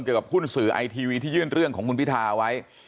กับหุ้นสื่อไอทีวีที่ยื่นเรื่องของคุณพิทาไว้